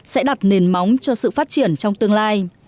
sẽ đặt nền móng cho sự phát triển trong tương lai